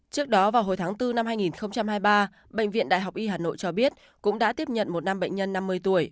trước đó vào hồi tháng bốn năm hai nghìn hai mươi ba bệnh viện đại học y hà nội cho biết cũng đã tiếp nhận một nam bệnh nhân năm mươi tuổi